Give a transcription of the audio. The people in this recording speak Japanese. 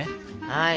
はい。